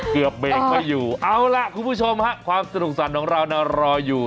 เกือบเบงไปอยู่เอาล่ะคุณผู้ชมค่ะความสนุกสวรรค์ของเรารออยู่